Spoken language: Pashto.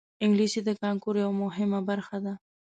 انګلیسي د کانکور یوه مهمه برخه ده